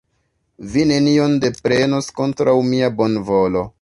Vi nenion deprenos kontraŭ mia bonvolo.